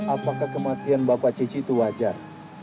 apakah kematian bapak cici itu wajar